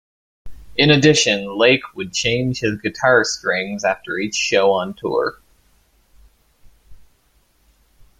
In addition, Lake would change his guitar strings after each show on tour.